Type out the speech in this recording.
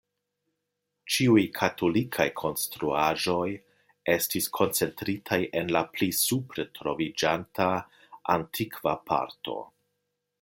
Ĉiuj katolikaj konstruaĵoj estis koncentritaj en la pli supre troviĝanta antikva parto.